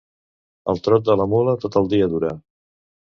El trot de la mula tot el dia dura.